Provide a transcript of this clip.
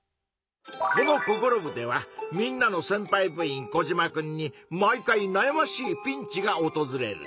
この「ココロ部！」ではみんなのせんぱい部員コジマくんに毎回なやましいピンチがおとずれる。